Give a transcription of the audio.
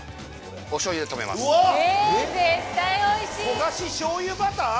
焦がししょうゆバター！